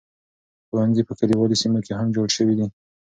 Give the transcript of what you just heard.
ښوونځي په کليوالي سیمو کې هم جوړ شوي دي.